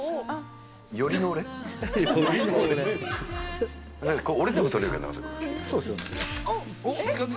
寄りの俺？